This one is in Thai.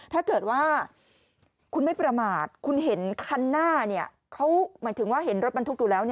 ถ้าเกิดว่าคุณไม่ประมาทคุณเห็นข้างหน้าเขาเห็นรถบรรทุกอยู่แล้ว